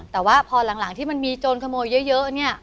แต่ว่าพอหลังที่มันมีโจรขโมยเยอะเนี่ย